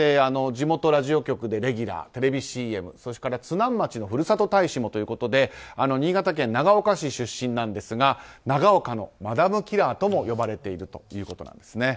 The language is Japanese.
地元ラジオ局でレギュラーテレビＣＭそれから津南町のふるさと大使もとういことで新潟県長岡市出身なんですが長岡のマダムキラーとも呼ばれているということなんです。